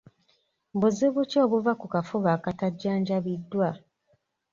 Buzibu ki obuva ku kafuba akatajjanjabiddwa?